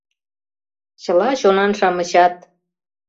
Чыла чонан-шамычат